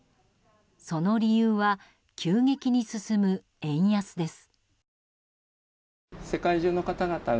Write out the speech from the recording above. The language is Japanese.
その理由は急激に進む円安です。